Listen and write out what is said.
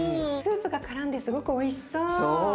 スープがからんですごくおいしそう。